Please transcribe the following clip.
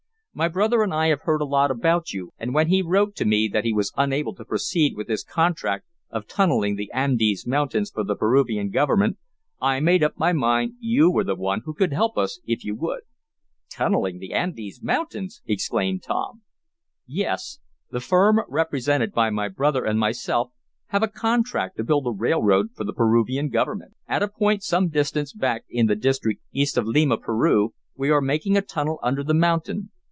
My brother and I have heard a lot about you, and when he wrote to me that he was unable to proceed with his contract of tunneling the Andes Mountains for the Peruvian government, I made up my mind you were the one who could help us if you would." "Tunneling the Andes Mountains!" exclaimed Tom. "Yes. The firm represented by my brother and myself have a contract to build a railroad for the Peruvian government. At a point some distance back in the district east of Lima, Peru, we are making a tunnel under the mountain.